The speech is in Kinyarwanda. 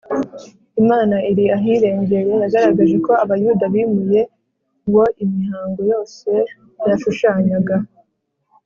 imana iri ahirengeye yagaragaje ko abayuda bimuye uwo imihango yose yashushanyaga